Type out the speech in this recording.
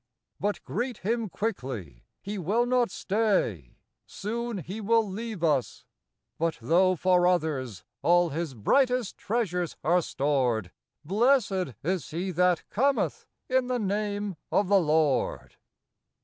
But greet him quickly, he will not s^ay, Soon he will leave us; but though for others All his brightest treasures are stored, —" Blessed is he that cometh In the name of the Lord